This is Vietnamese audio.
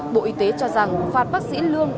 bộ y tế cho rằng phạt bác sĩ lương